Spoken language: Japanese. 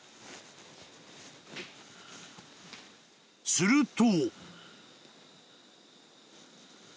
［すると］